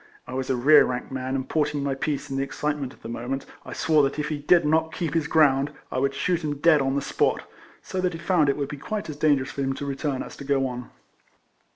I was a rear rank man, and porting my piece, in the excitement of the moment I swore that if he did not keep his ground, I would shoot him dead on the spot ;x so that he found it would be quite as dangerous for him to return as to go on.